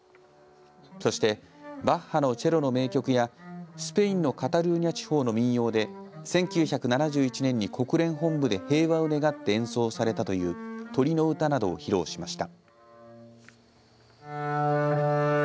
そしてバッハのチェロの名曲やスペインのカタルーニャ地方の民謡で１９７１年に国連本部で平和を願って演奏されたという鳥の歌などを披露しました。